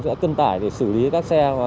sẽ cân tải để xử lý các xe